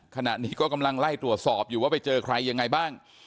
ขณะนี้ก็กำลังไล่ตรวจสอบอยู่ว่าไปเจอใครยังไงบ้าง